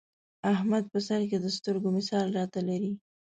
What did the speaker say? احمد په سرکې د سترګو مثال را ته لري.